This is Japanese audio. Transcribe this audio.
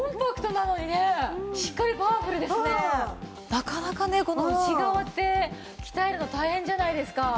なかなかねこの内側って鍛えるの大変じゃないですか。